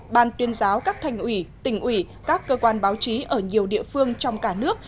ban tuyên giáo các thành ủy tỉnh ủy các cơ quan báo chí ở nhiều địa phương trong cả nước